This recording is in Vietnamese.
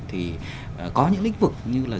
thì có những lĩnh vực như là